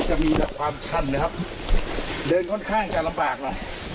จะมีแบบความชันนะครับเดินค่อนข้างจะลำบากหน่อย